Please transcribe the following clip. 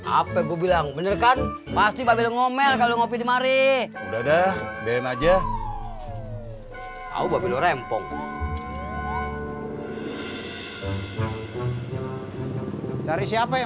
apa gue bilang bener kan pasti ngomel kalau ngopi di mari udah deh aja kau rempong dari siapa ya